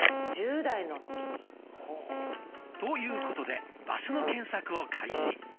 １０代の時に。ということで場所の検索を開始。